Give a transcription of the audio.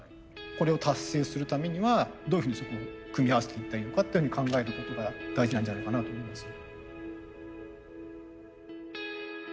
これを達成するためにはどういうふうにそこを組み合わせていったらいいのかっていうふうに考えることが大事なんじゃないかなと思います。